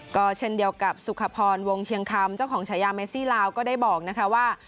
ก็เช่นเดียวกับสุขพรวงเชียงคำเจ้าของฉายาเมซี่ลาวก็ได้บอกนะคะว่า